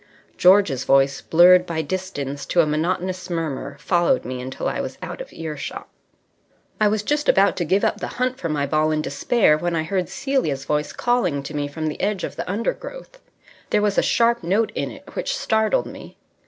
George's voice, blurred by distance to a monotonous murmur, followed me until I was out of earshot. I was just about to give up the hunt for my ball in despair, when I heard Celia's voice calling to me from the edge of the undergrowth. There was a sharp note in it which startled me.